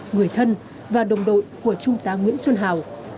người thân và đồng đội của trung tá nguyễn xuân hào